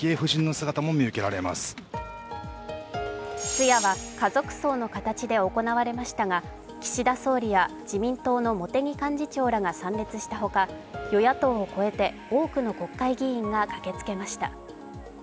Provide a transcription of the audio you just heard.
通夜は家族葬の形で行われましたが岸田総理や自民党の茂木幹事長らが参列したほか、与野党を超えて多くの国会議員が駆けつけました。